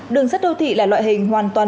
đường sắt đô thị là loại hình hoàn toàn mô hình